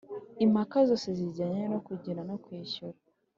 Impaka zose zijyanye no kugena no kwishyura